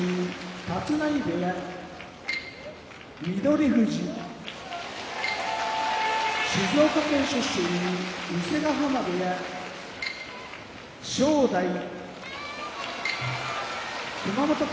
立浪部屋翠富士静岡県出身伊勢ヶ濱部屋正代熊本県出身